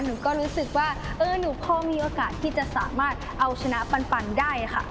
หนูก็รู้สึกว่าเออหนูพอมีโอกาสที่จะสามารถเอาชนะปันได้ค่ะ